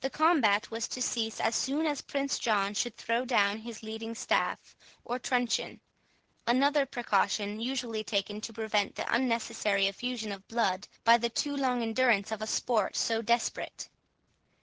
The combat was to cease as soon as Prince John should throw down his leading staff, or truncheon; another precaution usually taken to prevent the unnecessary effusion of blood by the too long endurance of a sport so desperate.